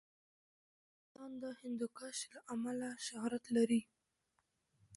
افغانستان د هندوکش له امله شهرت لري.